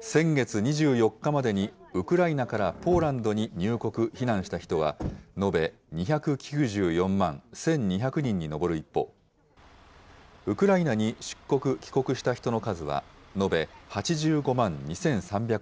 先月２４日までにウクライナからポーランドに入国・避難した人は延べ２９４万１２００人に上る一方、ウクライナに出国・帰国した人の数は、延べ８５万２３００人に。